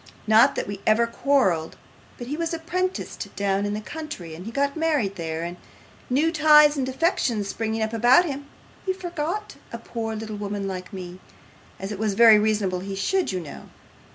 Not that we ever quarrelled, but he was apprenticed down in the country, and he got married there; and new ties and affections springing up about him, he forgot a poor little woman like me, as it was very reasonable he should, you know.